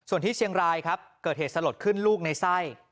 ส่วนที่เชียงรายครับเกิดเหตุสลดขึ้นลูกในไส้